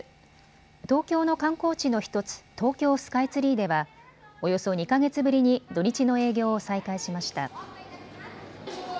東京の観光地の１つ、東京スカイツリーではおよそ２か月ぶりに土日の営業を再開しました。